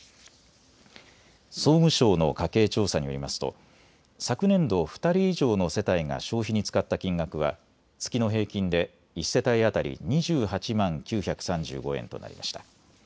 総務省の家計調査によりますと昨年度、２人以上の世帯が消費に使った金額は月の平均で１世帯当たり２８万９３５円となりました。